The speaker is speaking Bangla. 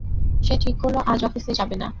সে ঠিক করল, আজ অফিসে যাবে না।